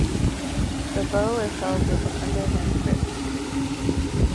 The bow is held with an underhand grip.